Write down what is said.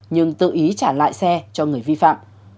nhưng tự ý trả lại xe cho người vi phạm